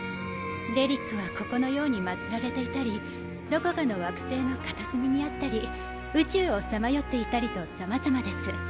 遺物はここのように祀られていたりどこかの惑星の片隅にあったり宇宙をさまよっていたりとさまざまです。